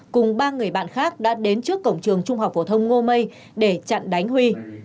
cùng ba người bạn khác đã đến trước cổng trường trung học phổ thông ngô mây để chặn đánh huy